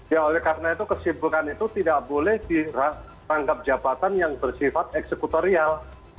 ya karena itu kesibukan itu tidak boleh dirangkap jabatan yang bersifat eksekutorial